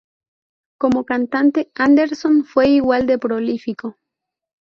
Como cantante, Anderson fue igual de prolífico.